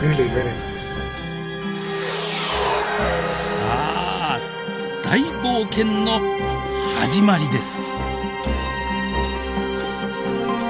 さあ大冒険の始まりです！